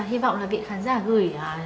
hi vọng là vị khán giả gửi